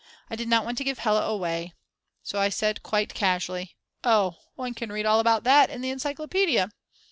I did not want to give Hella away, so I said quite casually: "Oh, one can read all about that in the encyclopedia."